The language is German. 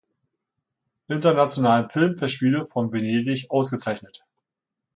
Internationalen Filmfestspiele von Venedig ausgezeichnet.